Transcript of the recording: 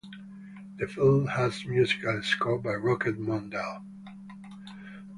The film has musical score by Rocket Mondal.